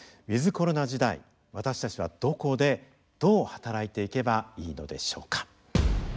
ウィズコロナ時代私たちはどこでどう働いていけばいいのでしょうか。